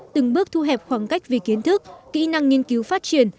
từng bước thu hẹp khoảng cách về kiến thức kỹ năng nghiên cứu phát triển